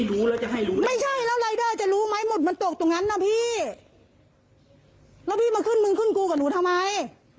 มีสิทธิ์จะไม่จ่าย